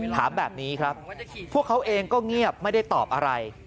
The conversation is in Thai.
ถามแบบนี้ครับพวกเขาเองก็เงียบไม่ได้ตอบอะไร